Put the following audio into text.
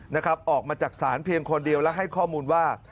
นะครับออกมาจากศาลเพียงคนเดียวและให้ข้อมูลว่า